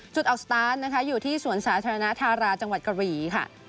ออกสตาร์ทนะคะอยู่ที่สวนสาธารณธาราจังหวัดกะหรี่ค่ะ